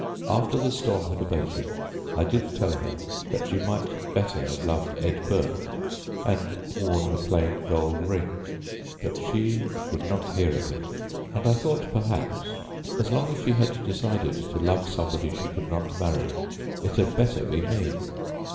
After the storm had abated I did tell her that she might better have loved Ed Burke and worn a plain gold ring, but she would not hear of it, and I thought perhaps as long as she had decided to love somebody she could not marry, it had better be me.